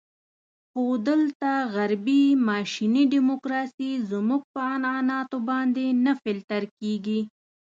خو دلته غربي ماشیني ډیموکراسي زموږ په عنعناتو باندې نه فلتر کېږي.